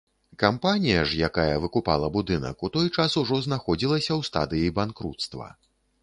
Кампанія ж, якая выкупала будынак, у той час ужо знаходзілася ў стадыі банкруцтва.